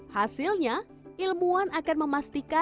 hasilnya ilmuwan akan memastikan kaki mumi